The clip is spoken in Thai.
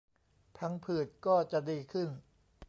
พังผืดก็จะดีขึ้น